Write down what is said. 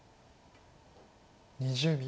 ２０秒。